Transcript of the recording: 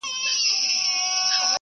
شهید عبدالمجید بابی